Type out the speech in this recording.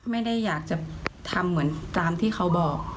ไม่ได้อยากจะทำเหมือนตามที่เขาบอก